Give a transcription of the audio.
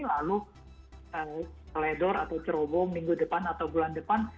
lalu seledor atau cerobong minggu depan atau bulan depan